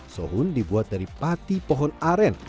sohun dibuat dari pati pohon aren